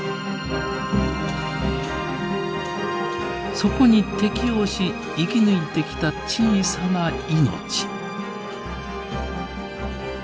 そこに適応し生き抜いてきた小さな命。